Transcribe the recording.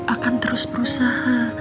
akan terus berusaha